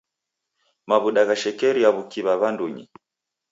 Maw'uda ghashekeria w'ukiwa w'andunyi.